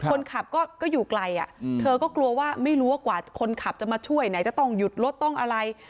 คนขับก็อยู่ไกลเธอก็กลัวว่าไม่รู้ว่ากว่าคนขับจะมาช่วยไหนจะต้องหยุดรถต้องอะไร